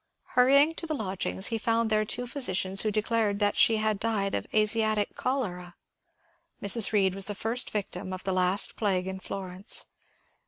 Hurrying to the lodgings, he found there two physicians who declared that she had died of Asiatic cholera. Mrs. Bead was the first victim of the last plague in Florence.